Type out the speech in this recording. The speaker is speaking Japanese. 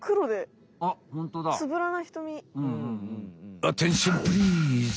アテンションプリーズ。